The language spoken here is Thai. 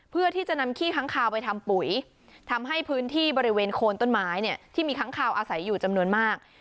เพื่อที่จะนำขี้ค้างคาวไปทำปุ๋ยทำให้พื้นที่บริเวณโคนต้นไม้เนี่ยที่มีค้างคาวอาศัยอยู่จำนวนมาก